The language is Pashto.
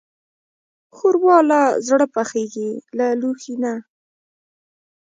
ښوروا له زړه پخېږي، له لوښي نه.